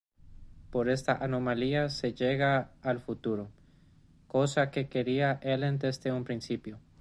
Por esta anomalía se llega al futuro, cosa que quería Helen desde un principio.